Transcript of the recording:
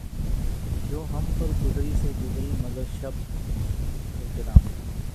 جو ہم پہ گزری سو گزری مگر شب ہجراں